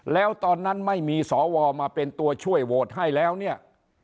แล้วตอนนั้นไม่มีสวมาเป็นตัวช่วยโหวตให้แล้วเนี่ย